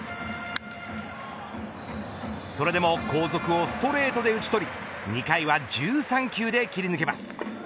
それでも後続をストレートで打ち取り２回は１３球で切り抜けます。